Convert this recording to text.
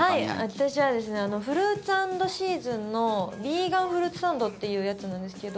私はフルーツアンドシーズンのビーガンフルーツサンドっていうやつなんですけど。